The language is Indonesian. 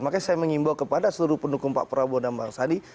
makanya saya mengimbau kepada seluruh pendukung pak prabowo dan bang sandi